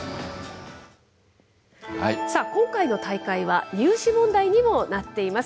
今回の大会は、入試問題にもなっています。